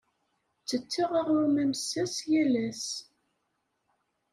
Ttetteɣ aɣrum amessas yal ass.